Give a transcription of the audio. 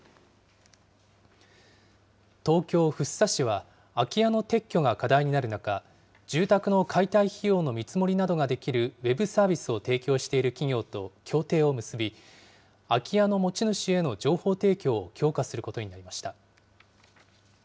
東京・福生市は、空き家の撤去が課題になる中、住宅の解体費用の見積もりなどができるウェブサービスを提供している企業と協定を結び、空き家の持ち主への情報提供を強化することになりました。